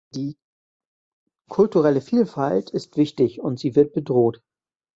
Die kulturelle Vielfalt ist wichtig, und sie wird bedroht.